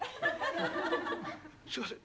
「すいません。